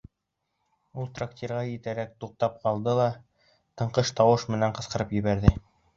Ул трактирға етәрәк туҡтап ҡалды ла тыңҡыш тауыш менән ҡысҡырып ебәрҙе: